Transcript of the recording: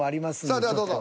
さあではどうぞ。